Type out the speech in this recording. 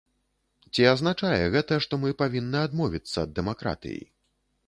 Ці азначае гэта, што мы павінны адмовіцца ад дэмакратыі?